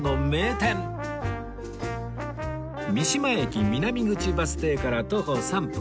三島駅南口バス停から徒歩３分